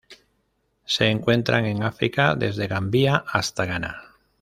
Se encuentran en África: desde Gambia hasta Ghana.